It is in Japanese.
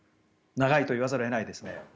長いと言わざるを得ないですね。